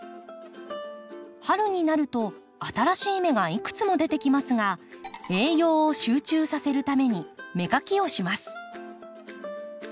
春になると新しい芽がいくつも出てきますが栄養を集中させるために芽かきをします。